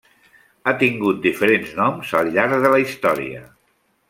Ha tingut diferents noms al llarg de la història.